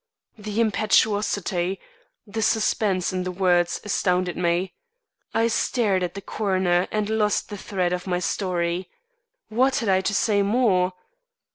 The impetuosity, the suspense in the words astounded me. I stared at the coroner and lost the thread of my story What had I to say more?